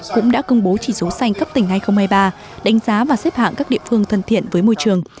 cũng đã công bố chỉ số xanh cấp tỉnh hai nghìn hai mươi ba đánh giá và xếp hạng các địa phương thân thiện với môi trường